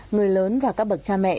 người lớn và các bậc cha mẹ